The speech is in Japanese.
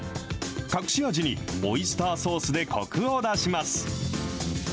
隠し味にオイスターソースでこくを出します。